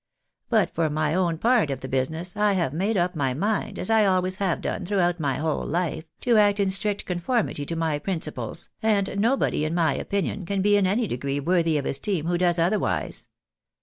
But for my own part of the business, I have made up my mind, as I always have done throughout my whole life, to act in strict conformity to my principles, and nobody in my opinion can be in any degree worthy of esteem who does otherwise!